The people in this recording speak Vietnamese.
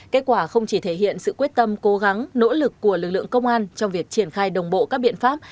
kết quả không chỉ thể hiện sự quyết tâm cố gắng nỗ lực của lực lượng công an trong việc triển khai đồng bộ các biện pháp